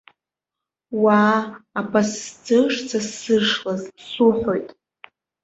Уаа, абас сӡышӡа сзыршлаз, суҳәоит!